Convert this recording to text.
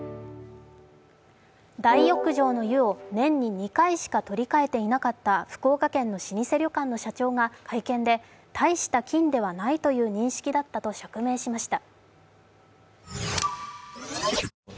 大浴場の湯を年に２回しか取り替えていなかった福岡県の老舗旅館の社長が会見で大した菌ではないという認識だったと釈明しました。